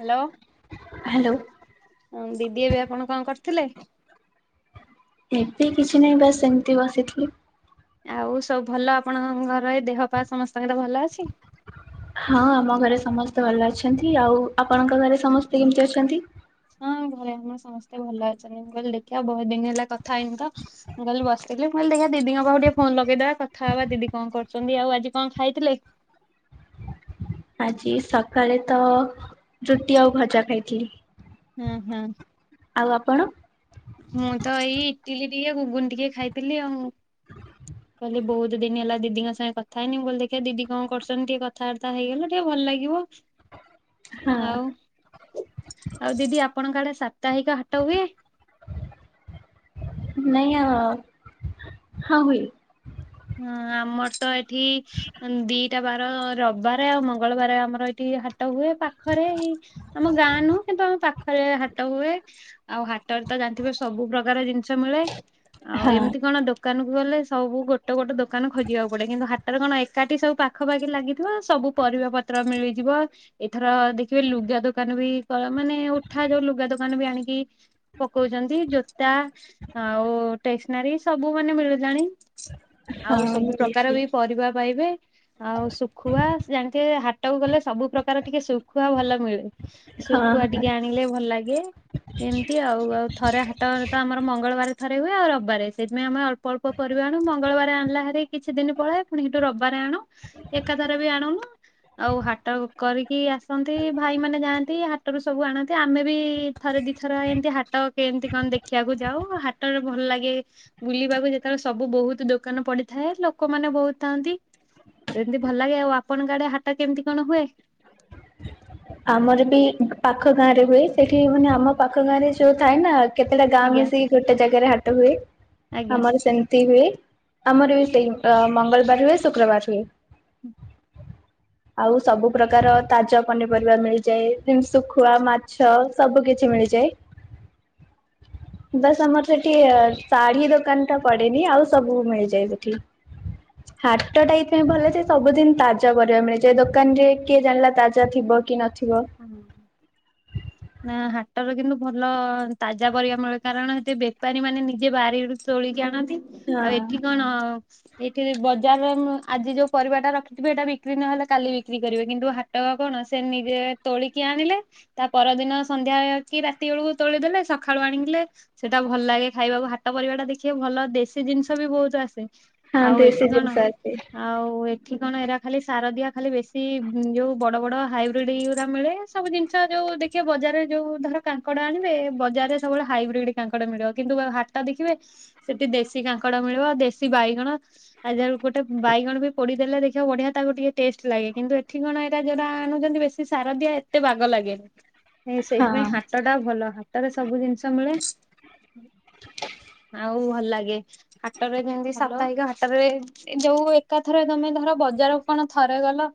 Hello. Hello. ହଁ ଦିଦି ଏବେ ଆପଣ କଣ କରିଥିଲେ? ଏବେ କିଛି ନାହିଁ ବାସ୍ ଏମିତି ବସିଥିଲି। ଆଉ ସବୁ ଭଲ ଆପଣଙ୍କ ଘର ଏଦେହ ପା ସମସ୍ତଙ୍କର ଭଲ ଅଛି? ହଁ ଆମ ଘରେ ସମସ୍ତେ ଭଲ ଅଛନ୍ତି ଆଉ ଆପଣଙ୍କ ଘରେ ସମସ୍ତେ କେମିତି ଅଛନ୍ତି? ହଁ ଘରେ ଆମର ସମସ୍ତେ ଭଲ ଅଛନ୍ତି କହିଲେ ଦେଖିବା ବହୁତ୍ ଦିନି ହେଲା କଥା ହେଇନିତ ମୁଁ କାଲି ବସିଥିଲି ମୁଁ କହଲିି ଦିଦିଙ୍କ ପାଖକୁ ଟିକେ ଫୋନ୍ ଲଗେଇଦବା କଥା ହବା ଦିଦି କଣ କରୁଚନ୍ତି ଆଉ ଆଜି କଣ ଖାଇଥିଲେ? ଆଜି ସକାଳେତ ରୁଟି ଆଉ ଭଜା ଖାଇଥିଲି। ହୁଁ ହୁଁ। ଆଉ ଆପଣ? ମୁଁତ ଏଇ ଇଟିଲି ଟିକେ ଘୁଗୁନି ଟିକେ ଖାଇଥିଲି ଆଉ। କହିଲି ବହୁତ୍ ଦିନି ହେଲା ଦିଦିଙ୍କ ସାଙ୍ଗେ କଥା ହେଇନି ମୁଁ କହିଲି ଦେଖିଆ ଦିଦି କଣ କରୁଚନ୍ତି ଟିକେ କଥାବାର୍ତ୍ତା ହେଇଗଲେ ଟିକେ ଭଲ ଲାଗିବ। ହଁ [inaudible] ଆଉ ଆଉ ଦିଦି ଆପଣଙ୍କ ଆଡେ ସାପ୍ତାହିକ ହାଟ ହୁଏ? ନାଇଁ ଅ ହଁ ହୁଏ। ହଁ ଆମରତ ଏଠି ଦିଟା ବାର ରବିବାରେ ଆଉ ମଙ୍ଗଳବାରେ ଆମର ଏଇଠି ହାଟ ହୁଏ ପାଖରେ ଏଇ ଆମ ଗାଁ ନୁହଁ କିନ୍ତୁ ଆମ ପାଖରେ ହାଟ ହୁଏ। ଆଉ ହାଟରେତ ଜାଣିଥିବେ ସବୁ ପ୍ରକାର ଜିନିଷ ମିଳେ ଆଉ ହଁ ଏମିତି କଣ ଦୋକାନକୁ ଗଲେ ସବୁ ଗୋ ଗୋଟେ ଗୋଟେ ଦୋକାନ ଖୋଜିବାକୁ ପଡ଼େ କିନ୍ତୁ ହାଟରେ କଣ ଏକାଠିବୁ ପାଖାପାଖି ଲାଗିଥିବ ସବୁ ପରିବା ପତ୍ର ମିଳିଯିବ ଏଥର ଦେଖିବେ ଲୁଗା ଦୋକାନବି କ ମାନେ ଉଠା ଯୋଉ ଲୁଗା ଦୋକାନବି ଆଣିକି ପକଉଚନ୍ତି ଜୋତା ଆଉ ଷ୍ଟେସନାରୀ ସବୁ ମାନେ ମିଳୁିଲାଣି ହଁ ଆଉ ସବୁ ମିଳିଛି ପ୍ରକାରବି ପରିବା ପାଇବେ ଆଉ ଶୁଖୁଆ ଜାଣିିଥିବେ ହାଟକୁ ଗଲେ ସବୁ ପ୍ରକାର ଟିକେ ଶୁଖୁଆ ଭଲ ମିଳେ। ହଁ ଶୁଖୁଆ ହଁ। ଟିକେ ଆଣିଲେ ଭଲ ଲାଗେ। ଏମିତି ଆଉ ଆଉ ଥରେ ହାଟରେତ ଆମର ମଙ୍ଗଳବାର ଥରେ ହୁଏ ଆଉ ରବିବାରେ ସେଇଥିପାଇଁ ଆମେ ଅଳ୍ ଳ୍ପ ଅଳ୍ପ ପରିବା ଆଣୁ ମଙ୍ଗଳବାର ଆଣିଲା ହାରି କିଛି ଦିନ ପଳାଏ ପୁଣି ହେଟୁ ରବିବାର ଆଣୁ ଏକାଥରବି ଆଣୁନୁ ଆଉ ହାଟ କରିକି ଆସନ୍ତି ଭାଇ ମାନେ ଯାଆନ୍ତି ହାଟରୁ ସବୁ ଆଣନ୍ତି ଆମେବି ଥରେ ଦିଥର ଏମତି ହାଟ କେମିତି କଣ ଦେଖିବାକୁ ଯାଉ ହାଟରେ ଭଲ ଲାଗେ ବୁଲିବାକୁ ଯେତେବେଳେ ସବୁ ବହୁତ୍ ଦୋକାନ ପଡ଼ିଥାଏ ଲୋକମାନେ ବହୁତ୍ ଥାନ୍ତି। ଏମିତି ଭଲ ଲାଗେ ଆଉ ଆପଙ୍କ ଆଡ଼େ ହାଟ କେମିତି କଣ ହୁଏ? ଆମରବି ପାଖ ଗାଁରେ ହୁଏ ସେଠି ମାନେ ଆମ ପାଖ ଗାଁରେ ଯୋଉ ଥାଏନା କେତେଟା ଗାଁ ଆଜ୍ଞା ମିଶିକି ଗୋଟେ ଜାଗାରେ ହାଟ ହୁଏ ଆଜ୍ଞା। ଆମର ସେ ହୁଏ ଆମରବି ସେଇ ମଙ୍ଗଳବାର ହୁଏ ଶୁକ୍ରବାର ହୁଏ। ଆଉ ସବୁ ପ୍ରକାର ତାଜ ପନି ପରିବା ମିଳିଯାଏ ଦେନ ଶୁଖୁଆ ମାଛ ସବୁ କିଛି ମିଳିଯାଏ। ବାସ୍ ଆମର ସେଠି ଶାଢୀ ଦୋକାନ ଟା ପଡେନି ଆଉ ସବୁ ମିଳିଯାଏ ସେଠି। ହାଟ ଟା ଏଇଥି ପାଇଁ ଭଲ ଯେ ସବୁଦିନ ତାଜା ପରିବା ମିଳିଯାଏ ଦୋକାନ ରେ କିଏ ଜାଣିଲା ତାଜା ଥିବ। କି ନଥିବ। ଉଁ। ନା ହାଟର କିନ୍ତୁ ଭଲ ତାଜା ପରିବା ମିଳେ କାରଣ ସେଠି ବେପାରୀ ମାନେ ନିଜେ ବାରିରୁ ତୋଳିକି ଆଣନ୍ତି। ହଁ ଆଉ ଏଠି କଣ। ଏଠି ବି ବଜାର ରେ ମୁ ଆଜି ଯୋଉ ପରିବାଟା ରଖିଥିବେ ଏଇଟା ବିକ୍ରି ନହେଲେ କାଲି ବିକ୍ରି କରିବେ କିନ୍ତୁ ହା ହାଟ ଆଉ କଣ ସେ ନିଜେ। ତୋଳିକି ଆଣିଲେ ତା ପରଦିନ ସନ୍ଧ୍ୟା କି ରାତି ବେଳକୁ ତୋଳିଦଲେ ସକାଳୁ ଆଣିଲେ। ସେଟା ଭଲ ଲାଗେ ଖାଇବାକୁ ହାଟ ପରିବା ଟା ଦେଖିବେ ଭଲ ଦେଶୀ ଜିନିଷ ବି ବହୁତ ଆସେ। ହଁ ଆଉ ଦେଶୀ ଏଠି କଣ। ଜିନିଷ ଆସେ ଆଉ ଏଠି କଣ ଏରା ଖାଲି ସାର ଦିଆ ଖାଲି ବେଶୀ ଯୋଉ ବଡ ବଡ ହାଇବ୍ରିଡ। ଜିନିଷ ମିଳେ ସବୁ ଜିନିଷ ଯୋଉ ଦେଖିବେ ବଜାରରେ ଯୋଉ ଧର କାଙ୍କଡ ଆଣିବେ ବଜାରରେ ସବୁବେଳେ ହାଇବ୍ରିଡ। କାଙ୍କଡ ମିଳିବ କିନ୍ତୁ ହାଟ ଦେଖିବେ ସେଠି ଦେଶୀ କାଙ୍କଡ ମିଳିବ ଦେଶୀ ବାଇଗଣ। ଆ ଯୋଉ ଗୋଟେ ବାଇଗଣ ବି ପୋଡି ଦେଲେ ଦେଖିବ ବଢିଆ ତାକୁ ଟିକେ ଟେଷ୍ଟ ଲାଗେ କିନ୍ତୁ ଏଠି କଣ ଏଇାରା ଯୋଉରା ଆଣୁଛନ୍ତି ବେଶୀ। ସେ ସାର ଦିଆ ଏତେ ବାଗ ଲାଗେନି ହଁ ସେଇଥିପାଇଁ ହାଟ। ହାଟ ଟା ଭଲ ହାଟରେ ସବୁ ଜିନିଷ ମିଳେ ଆଉ ଭଲ ଲାଗେ। ହାଟରେ ଯେମିତି ସାପ୍ତାହିକ। ହାଟରେ ଯୋଉ ଏକାଥରେ ତମେ ଧର ବଜାରକୁ କଣ ଥରେ ଗଲ।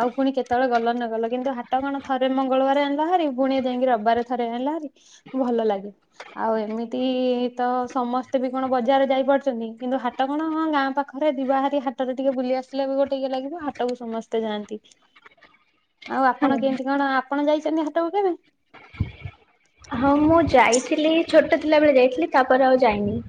ଆଉ ପୁଣି କେତେବେଳେ ଗଲ ‌ନଗଲ କି। କିନ୍ତୁ ହାଟ କଣ ଥରେ ମଙ୍ଗଳବାର ଆଣିଲହାରିି ପୁଣି ଯାଇକି ରବିବାରେ ଥରେ ଆଣିଲହାରି ଭଲ ଲାଗେ। ଆଉ ଏମିତି ତ ସମସ୍ତେ ବି କଣ ବଜାର ଯାଇପାରୁଛନ୍ତି କିନ୍ତୁ ହାଟ୍ ହାଟ କଣ ଗାଁ ପାଖରେ ଯିବାହାରି ହାଟରେ ଟିକେ ବୁଲି ଆସିଲେ ବି ଗୋଟେ ଇଏ ଲାଗିବ ହାଟକୁ ସମସ୍ତେ ଯାଆନ୍ତି। ଆଉ ଆପଣ ହଁ। କେମିତି କଣ ଆପଣ ଯାଇଛନ୍ତି ହାଟକୁ କେବେ। ହଁ ମୁଁ ଯାଇଥିଲି ଛୋଟ ଥିଲାବେଳେ ଯାଇଥିଲି ତାପରେ ଆଉ ଯାଇନି।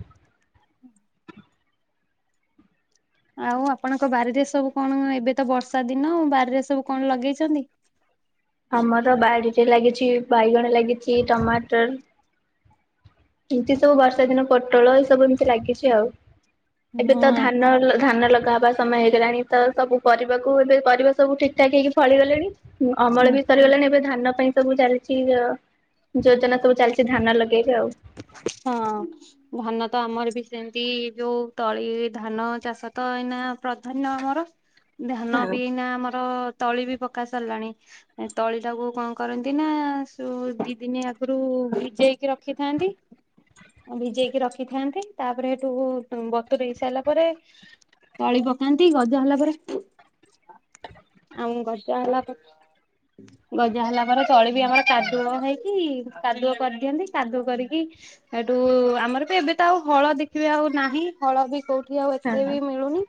ଆଉ ଆପଣଙ୍କ ବାରିରେ ସବୁ କଣ ଏବେ ତ ବର୍ଷା ଦିନ ଆଉ ବାରିରେ ସବୁ କଣ ଲଗେଇଛନ୍ତି। ଆମର ବାଡ଼ିରେ ଲାଗିଛି ବାଇଗଣ ଲାଗିଛି ଟମାଟର। ଏମିତି ସବୁ ବର୍ଷା ଦିନ ପୋଟଳ ଏ ସବୁ ଏମିତି ଲାଗିଛି ଆଉ। ଏବେ ତ ଧାନ ଧାନ ଲଗାହବା। ସମୟ ହେଇଗଲାଣି ତ ସବୁ ପରିବାକୁ ଏବେ ପରିବା ସବୁ ଠିକ୍ ଠାକ୍ ହେଇକି ଫଳିଗଲେଣି। ହୁଁ ହଁ ଅମଳ ବି ସରିଗଲାଣି ଏବେ ଧାନ ପାଇଁ। ସବୁ ଚାଲିଛି ଯ ଯୋଜନା ସବୁ ଚାଲିଛି ଧାନ ଲଗେଇକି ଆଉ। ହଁ। ଧାନ ତ ଆମର ବି ସେମିତି ଯୋଉ ତଳି ଧାନ ଚାଷ ତ ଏଇନା ପ୍ରଧାନ୍ୟ ଆମର। ଧାନ ହଁ ବି ଏଇନା ଆମର ତଳି ବି ପକା ସରିଲାଣି। ଏ ତଳି ଟାକୁ କଣ କରନ୍ତି ନା ସୁ ଦି ଦିନି ଆଗରୁ ଭିଜେଇକି ରଖି। ଥାଆନ୍ତି। ଭିଜେଇକି ରଖିଥାନ୍ତି ତାପରେ ସେଠୁ ବତୁରେଇ ସାରିଲା ପରେ। ତଳି ପକାନ୍ତି ଗଜା ହେଲା ପରେ। ଆଉ ଗଜା ହେଲା ପ ଗଜା ହେଲା ପରେ ତଳି ବି ଆମର କାଦୁଅ ହେଇକି କାଦୁଅ କରିଦିଅନ୍ତି। କଦୁଅ କରିକି ସେଠୁ ଆମର ବି ଏବେ ତ ଆଉ ହଳ ଦେଖିବେ ଆଉ ନାହିଁ ହଳ ବି କୋଉ କି ଆଉ ଏତେ ହଁ। ବି ମିଳୁନି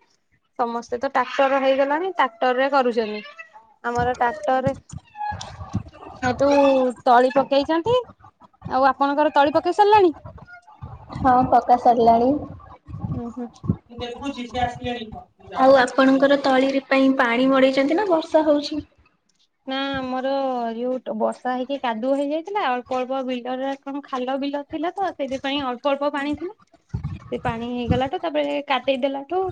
ସମସ୍ତେ ତ ଟ୍ରାକ୍ଟର ହେଇଗଲାଣି ଟ୍ରାକ୍ଟରରେ କରୁଛନ୍ତି। ଆମର ଟ୍ରାକ୍ଟରରେ ସେଇଠୁ ତଳି ପକେଇଛନ୍ତି। ଆଉ ଆପଣଙ୍କର ତଳି ପକେଇ ସାରିଲେଣି। ହଁ ପକା ସରିଲାଣି। ଉଁ ହୁଁ ମୁଁ ଦେଖୁଛି ସେ ଆସିଲେଣି କି କଣ? ଆଉ ଆପଣଙ୍କର ତଳି ରି ପାଇଁ ପାଣି ମଡେଇଛନ୍ତି ନା ବର୍ଷା ହଉଛି? ନାଁ। ଆମର ଯୋଉ ବର୍ଷା ହେଇକି କାଦୁଅ ହେଇଯାଇଥିଲା ଅଳ୍ପ ଅଳ୍ପ ବିଲରେ କଣ ଖାଲ ବିଲ ଥିଲା ତ ସେଥିପାଇଁ ଅଳ୍ପ ଅଳ୍ପ ପାଣି ଥିଲା। ସେ ପାଣି ହେଇଗଲାତ୍ ତାପରେ କାଦେଇ ଦେଲାଠୁ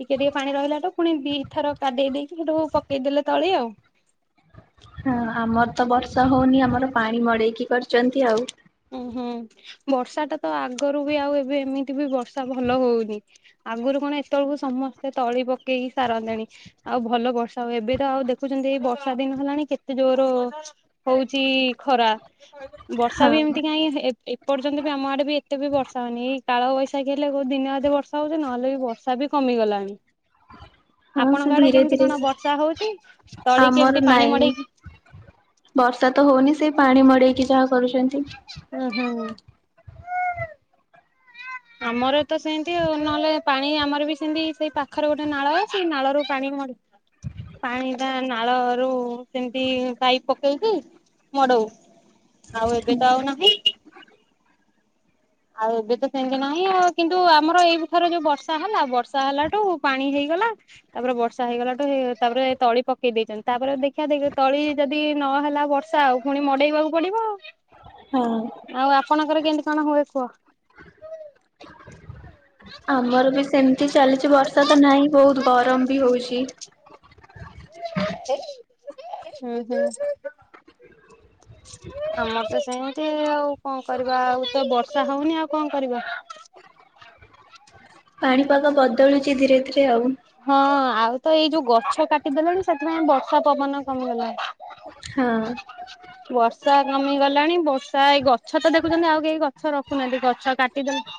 ଟିକେ ଟିକେ ପାଣି ରହିଲାଠୁ ପୁଣି ଦିଇ ଥର କାଦେଇ ଦେଇକି ସେଠୁ ପକେଇଦେଲେ ତଳି ଆଉ ହଁ ଆମର ତ ବର୍ଷା ହଉନି ଆମର ପାଣି ମଡେଇକି କରିଛନ୍ତି ଆଉ ଉଁ ହୁଁ ବର୍ଷାଟା ତ ଆଗରୁ ବି ଆଉ ଏବେ ଏମିତି ବି ବର୍ଷା ଭଲ ହଉନି। ଆଗରୁ କଣ ଏତେବେଳକୁ ସମସ୍ତେ ତଳି ପକେଇକି ସାରନ୍ତେଣି। ଆଉ ଭଲ ବର୍ଷା ହୁଏ ଏବେ ତ ଆଉ ଦେଖୁଛନ୍ତି ଏଇ ବର୍ଷା ଦିନ ହେଲାଣି କେତେ ଜୋର ହଉଛି ଖରା ବର୍ଷା ହଁ। ବି ଏମିତି କାହିଁ ଏପର୍ଯ୍ୟନ୍ତ ବି ଆମ ଆଡେ ବି ଏତେ ବି ବର୍ଷା ହଉନି କାଳ ବୈଶାଖି ହେଲେ କୋଉ ଦିନ ଅଧେ ବର୍ଷା ହଉଛି ନହେଲେ ବି ବ ତାହା ବି କମିଗଲାଣି। ହଁ ସେ ଆପଣଙ୍କ ଆଡେ ଧୀରେ କେମିତି ଧୀରେ କଣ ବର୍ଷା ହଉଛି ତଳି ଆମର କେମିତି ପାଣି ନାଇଁ ମଡେଇକି ବର୍ଷା ତ ହଉନି ସେ ପାଣି ମଡେଇକି ଯାହା କରୁଛନ୍ତି। ହୁଁ ହୁଁ। ଆମର ତ ସେମିତି ନହେଲେ ପାଣି ଆମର ବି ସେମତି ସେଇ ପାଖରେ ଗୋଟେ ନାଳ ଅ ଛି ନାଳରୁ ପାଣି ମଡେଇ ପାଣିଟା ନାଳରୁ ସେମିତି ପାଇପ ପକେଇକି ମଡଉ ଆଉ ଏବେ ତ ଆଉ ନାହିଁ। ଆଉ ଏବେ ତ ସେମିତି ନାହିଁ ଆଉ କିନ୍ତୁ ଆମର ଏଇ ଥର ଯୋଉ ବର୍ଷା ହେଲା ବର୍ଷା ହେଲାଠୁ ପାଣି ହେଇଗଲା। ତାପରେ ବର୍ଷା ହେଇଗଲାଠୁ ତାପରେ ତଳି ପକେଇ ଦେଇଛନ୍ତି ତାପରେ ଦେଖିବା ଯଦି ତଳି ଯଦି ନହେଲା ବ ର୍ଷା ଆଉ ପୁଣି ମଡେଇବାକୁ ପଡିବ ହଁ। ଆଉ ଆଉ ଆପଣଙ୍କର କେମିତି କଣ ହୁଏ କୁହ? ଆମର ବି ସେମିତି ଚାଲିଛି ବର୍ଷା ତ ନାହିଁ ବହୁତ ଗରମ ବି ହଉଛି। ହୁଁ ହୁଁ। [inaudible] ଆମର ତ ସେମିତି ଆଉ କଣ କରିବା ଆଉ ତ ବର୍ଷା ହଉନି ଆଉ କଣ କରିବା? ପାଣିପାଗ ବଦଳୁଛି ଧୀରେ ଧୀରେ ଆଉ ହଁ ଆଉ ତ ଏଇ ଯୋଉ ଗଛ କାଟିଦେଲେଣି ସେଥିପାଇଁ ବର୍ଷା ପବନ କମିଗଲାଣି। ହଁ। ୱାର୍ଷ ବର୍ଷା କମିଗଲାଣି ବର୍ଷା ଏଇ ଗଛ ତ ଦେଖୁଛନ୍ତି ଆଉ କେହି ଗଛ ରଖୁନାହାନ୍ତି ଗଛ କାଟିଦେଲେ।